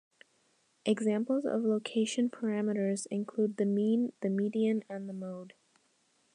Examples of location parameters include the mean, the median, and the mode.